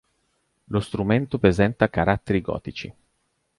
Lo strumento presenta caratteri gotici.